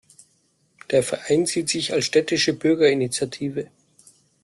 Der Verein sieht sich als städtische Bürgerinitiative.